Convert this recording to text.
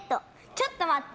ちょっと待って。